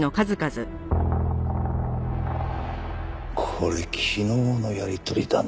これ昨日のやり取りだな。